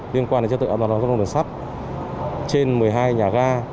liên quan đến trật tự an toàn giao thông đường sắt trên một mươi hai nhà ga